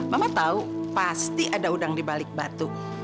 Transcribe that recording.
mama tahu pasti ada udang di balik batu